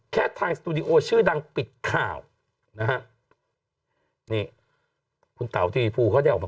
ทางสตูดิโอชื่อดังปิดข่าวนะฮะนี่คุณเต๋าทีวีภูเขาได้ออกมา